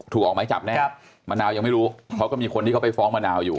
ออกไม้จับแน่มะนาวยังไม่รู้เขาก็มีคนที่เขาไปฟ้องมะนาวอยู่